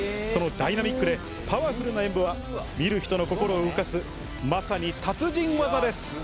そのダイナミックでパワフルな演舞は見る人の心を動かすまさに達人技です。